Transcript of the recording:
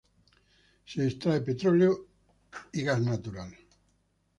Se extrae petróleo y gas natural.